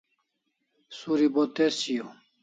Suri bo tez shaiu